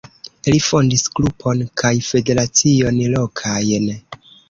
Li fondis grupon kaj federacion lokajn.